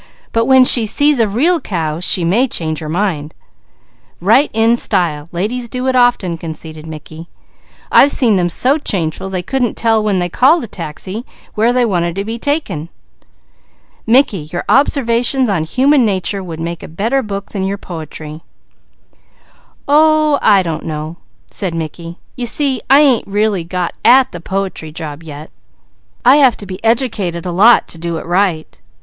"But when she sees a real cow she may change her mind." "Right in style! Ladies do it often," conceded Mickey. "I've seen them so changeful they couldn't tell when they called a taxi where they wanted to be taken." "Mickey, your observations on human nature would make a better book than your poetry." "Oh I don't know," said Mickey. "You see I ain't really got at the poetry job yet. I have to be educated a lot to do it right.